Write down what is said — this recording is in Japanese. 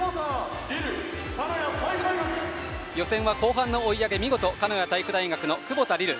予選は後半の追い上げが見事鹿屋体育大学の久保田梨琉。